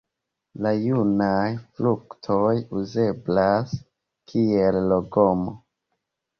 La junaj fruktoj uzeblas kiel legomo.